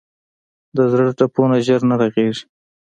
د زړه ټپونه ژر نه رغېږي.